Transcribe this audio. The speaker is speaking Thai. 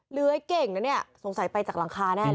เหลือไอ้เก่งนะเนี่ยสงสัยไปจากหลังคาแน่แล้ว